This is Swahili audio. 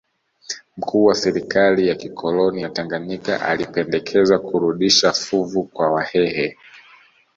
Mkuu wa serikali ya kikoloni ya Tanganyika alipendekeza kurudisha fuvu kwa Wahehe